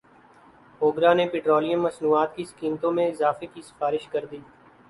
اوگرا نے پیٹرولیم مصنوعات کی قیمتوں میں اضافے کی سفارش کردی